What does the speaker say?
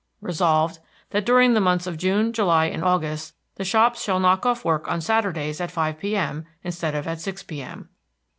Resolved, That during the months of June, July, and August the shops shall knock off work on Saturdays at five P.M., instead of at six P.M.